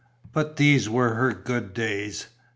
But these were her good days.